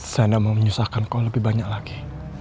saya tidak mau menyusahkan kau lebih banyak lagi